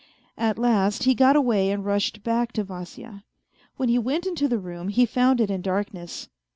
At last he got away and rushed back to Vasya. When he went into the room, he found it in darkness.